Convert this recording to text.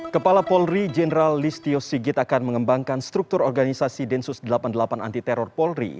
kepala polri jenderal listio sigit akan mengembangkan struktur organisasi densus delapan puluh delapan anti teror polri